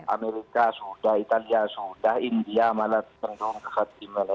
amerika sudah italia sudah india malah tentu kehatin lagi